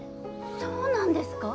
そうなんですか！